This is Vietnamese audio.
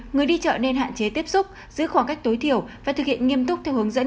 người đi chợ nên hạn chế tiếp xúc giữ khoảng cách tối thiểu và thực hiện nghiêm túc theo hướng dẫn